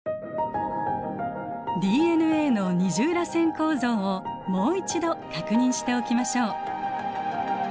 ＤＮＡの二重らせん構造をもう一度確認しておきましょう。